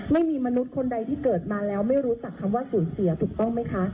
มนุษย์คนใดที่เกิดมาแล้วไม่รู้จักคำว่าสูญเสียถูกต้องไหมคะ